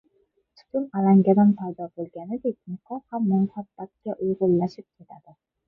Tutun alangadan paydo bo‘lganidek, nikoh ham muhabbatga uyg‘unlashib ketadi.